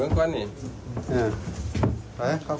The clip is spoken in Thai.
เอากุญแจไม่เป็น